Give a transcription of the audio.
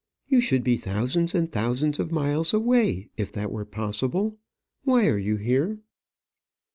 You should be thousands and thousands of miles away if that were possible. Why are you here?"